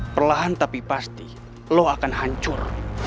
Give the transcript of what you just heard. perlahan tapi pasti lo akan hancur